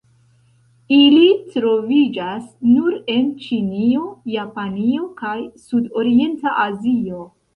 Ili troviĝas nur en Ĉinio, Japanio, kaj Sudorienta Azio.